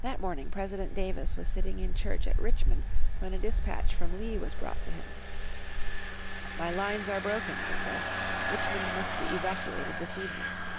That morning President Davis was sitting in church at Richmond when a dispatch from Lee was brought to him. "My lines are broken," it said; "Richmond must be evacuated this evening."